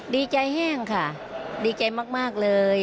ดีใจแห้งค่ะดีใจมากเลย